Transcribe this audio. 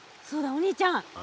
お兄ちゃん。